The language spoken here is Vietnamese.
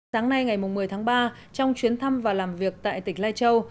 sáng nay ngày một mươi tháng ba trong chuyến thăm và làm việc tại tỉnh lai châu